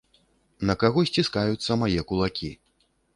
На каго сціскаюцца мае кулакі.